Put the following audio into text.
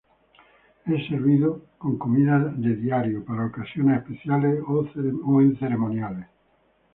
Es servido como comida de diario, para ocasiones especiales o en ceremoniales.